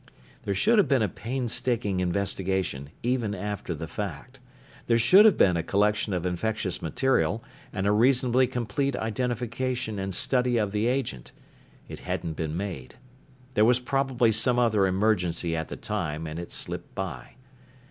There should have been a painstaking investigation, even after the fact. There should have been a collection of infectious material and a reasonably complete identification and study of the agent. It hadn't been made. There was probably some other emergency at the time, and it slipped by.